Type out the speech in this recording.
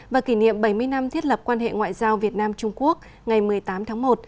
và kỷ niệm bảy mươi năm thiết lập quan hệ ngoại giao việt nam trung quốc ngày một mươi tám tháng một